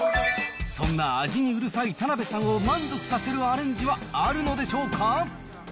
そんな味にうるさい田辺さんを満足させるアレンジはあるのでしょうか。